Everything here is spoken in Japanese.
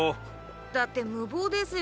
だって無謀ですよ。